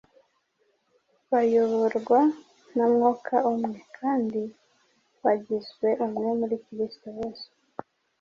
bayoborwa na Mwuka umwe; kandi bagizwe umwe muri Kristo Yesu.